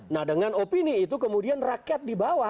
nah dengan opini itu kemudian rakyat di bawah